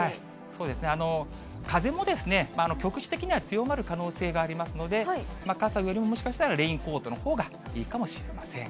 そうですね、風も局地的には強まる可能性がありますので、傘よりももしかしたらレインコートのほうがいいかもしれません。